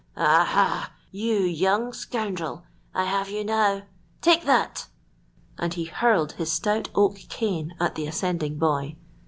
"Aha, you young scoundrel! I have you now. Take that!" And he hurled his stout oak cane at the ascending boy.